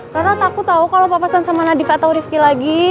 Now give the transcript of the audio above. karena takut tau kalau papasan sama nadif atau rifki lagi